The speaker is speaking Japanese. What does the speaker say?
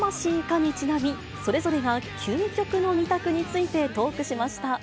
にちなみ、それぞれが究極の２択についてトークしました。